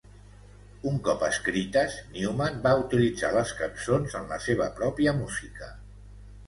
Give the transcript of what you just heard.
Un cop escrites, Newman va utilitzar les cançons en la seva pròpia música.